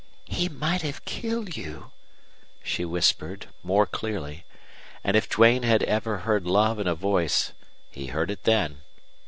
"He might have killed you," she whispered, more clearly; and if Duane had ever heard love in a voice he heard it then.